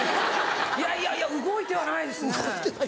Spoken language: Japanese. いやいやいや動いてはないですね。